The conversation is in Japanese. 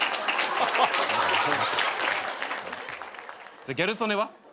じゃあギャル曽根は？